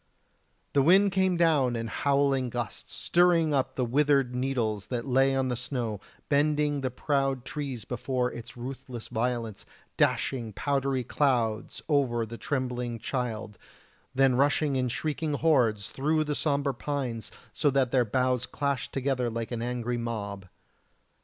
The wind came down in howling gusts, stirring up the withered needles that lay on the snow, bending the proud trees before its ruthless violence, dashing powdery clouds over the trembling child; then rushing in shrieking hordes through the sombre pines so that their boughs clashed together like an angry mob.